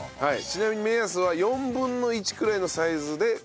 ちなみに目安は４分の１くらいのサイズで砕くと。